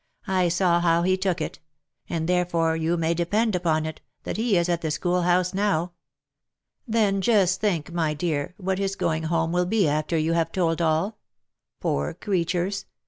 I saw how he took it ; and, therefore, you may depend upon it, that he is at the schoolhouse now. Then just think, my dear, what his going home will be after you have told all ! Poor creatures !